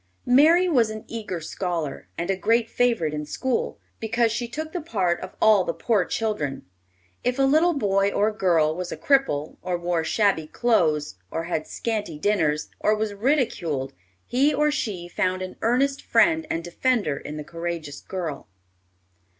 Mary was an eager scholar, and a great favorite in school, because she took the part of all the poor children. If a little boy or girl was a cripple, or wore shabby clothes, or had scanty dinners, or was ridiculed, he or she found an earnest friend and defender in the courageous girl.